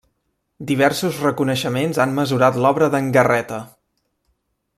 Diversos reconeixements han mesurat l'obra d'en Garreta.